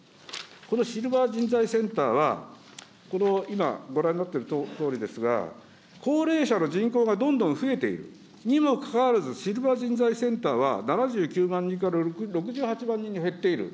このシルバー人材センターは、この今、ご覧になってるとおりですが、高齢者の人口がどんどん増えている、にもかかわらず、シルバー人材センターは、７９万人から６８万人に減っている。